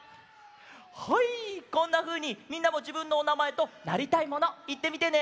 はいこんなふうにみんなもじぶんのおなまえとなりたいものいってみてね！